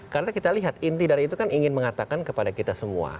karena kita lihat inti dari itu kan ingin mengatakan kepada kita semua